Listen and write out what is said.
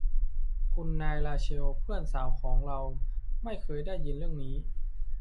คุณนายราเชล เพื่อนสาวของเราไม่เคยได้ยินเรื่องนี้